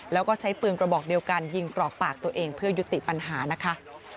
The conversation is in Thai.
แล้วก็ใช้ปืนกระบอกเดียวกันยิงกรอกปากตัวเองเพื่อยุติปัญหานะคะ